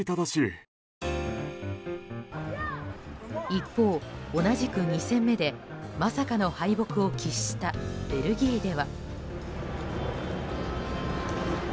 一方、同じく２戦目でまさかの敗北を喫したベルギーでは。